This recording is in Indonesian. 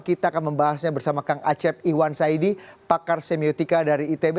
kita akan membahasnya bersama kang acep iwan saidi pakar semiotika dari itb